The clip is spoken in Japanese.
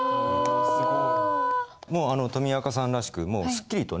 わすごい。